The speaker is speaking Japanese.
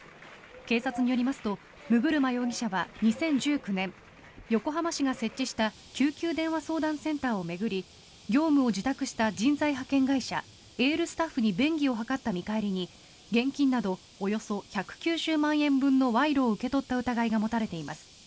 警察によりますと六車容疑者は２０１９年横浜市が設置した救急電話相談センターを巡り業務を受託した人材派遣会社エールスタッフに便宜を図った見返りに現金などおよそ１９０万円分の賄賂を受け取った疑いが持たれています。